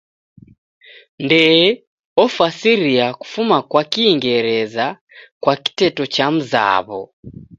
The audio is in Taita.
Ndee ofasiria kufuma kwa kingereza kwa kiteto chamzaw'o.